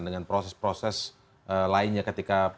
dengan proses proses lainnya ketika